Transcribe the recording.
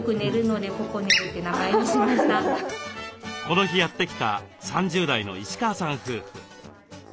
この日やって来た３０代の石川さん夫婦。